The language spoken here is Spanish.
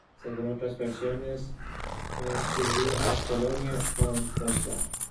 Según otras versiones, la descubrió en Colonia o en Goslar.